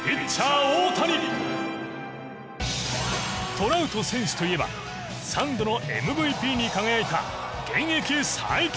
トラウト選手といえば３度のＭＶＰに輝いた現役最強バッター！